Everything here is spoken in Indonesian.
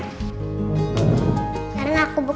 tidak ada yang bisa ditutup